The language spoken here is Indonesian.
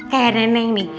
kayak nenek nih